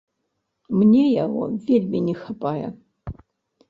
Мне яго вельмі не хапае.